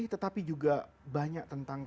tetapi juga banyak tentang